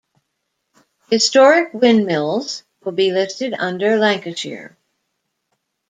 Historic windmills will be listed under Lancashire.